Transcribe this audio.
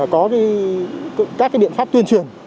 có các biện pháp tuyên truyền